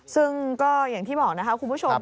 ซึ่งก็อย่างที่บอกนะคะคุณผู้ชม